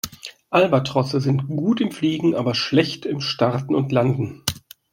Albatrosse sind gut im Fliegen, aber schlecht im Starten und Landen.